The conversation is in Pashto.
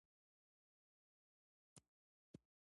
تاریخ د خپل وخت مظهور دی.